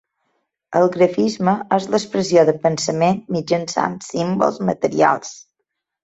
El grafisme és l'expressió de pensament mitjançant símbols materials